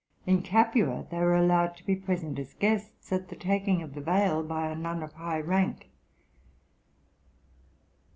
In Capua, they were allowed to be present as guests at the taking of the veil by a nun of high rank.